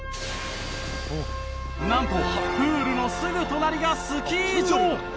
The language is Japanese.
なんとプールのすぐ隣がスキー場。